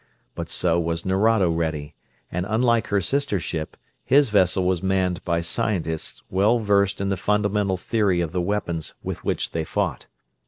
But so was Nerado ready; and, unlike her sister ship, his vessel was manned by scientists well versed in the fundamental theory of the weapons with which they fought.